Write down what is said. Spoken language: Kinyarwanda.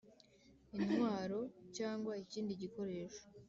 intwaro cyangwa ikindi gikoresho